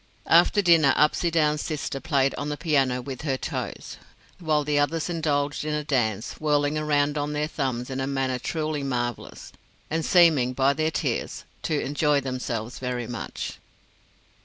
After dinner Upsydoun's sister played on the piano with her toes, while the others indulged in a dance, whirling around on their thumbs in a manner truly marvelous, and seeming, by their tears, to enjoy themselves very much.